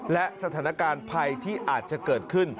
และสถานการณ์ภัยที่อาจจะเกิดขึ้น